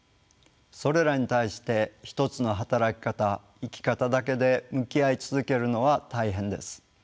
それらに対して一つの働き方生き方だけで向き合い続けるのは大変です。